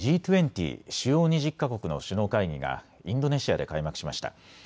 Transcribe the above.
・主要２０か国の首脳会議がインドネシアで開幕しました。